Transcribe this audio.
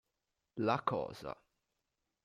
La cosa